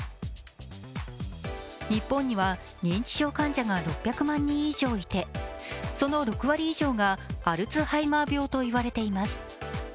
日本には認知症患者が６００万人以上いてその６割以上がアルツハイマー病といわれています。